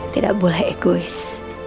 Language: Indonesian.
tidak boleh egois